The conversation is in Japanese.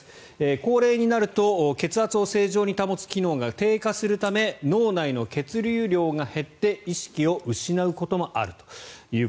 高齢になると血圧を正常に保つ機能が低下するため脳内の血流量が減って意識を失うこともあると。